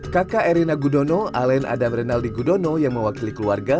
kakak erina gudono alen adam renaldi gudono yang mewakili keluarga